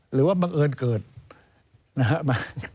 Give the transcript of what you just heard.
หรือว่าบังเอิญเกิดนะครับ